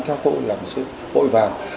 theo tội là một sự bội vàng